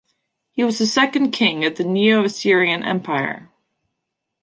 He was the second king of the Neo Assyrian Empire.